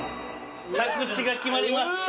着地が決まりました。